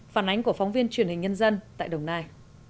phản ánh của phóng viên truyền hình nhân dân tại đồng nai